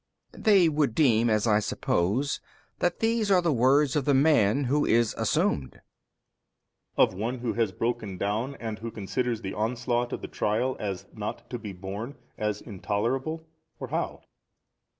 B. They would deem, as I suppose, that these are the words of the man who is assumed. A. Of one who has broken down and who considers the |290 onslaught of the trial as not to be borne, as intolerable, or how?